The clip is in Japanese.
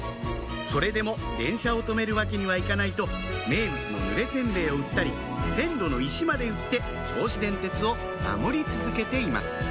それでも電車を止めるわけにはいかないと名物のぬれ煎餅を売ったり線路の石まで売って銚子電鉄を守り続けています